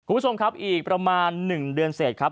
คุณผู้ชมครับอีกประมาณ๑เดือนเสร็จครับ